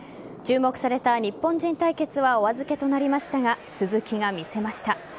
注目された日本人対決はお預けとなりましたが鈴木が見せました。